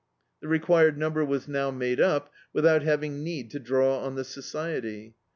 The required number was now made up, without having need to draw on the Society.